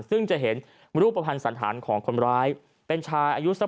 ซึ่งจะเห็นรูปภัณฑ์สันธารของคนร้ายเป็นชายอายุสัก